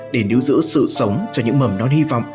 để níu giữ sự sống cho những mầm non hy vọng